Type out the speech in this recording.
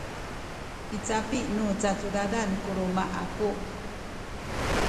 i capi nu cacudadan ku luma’ aku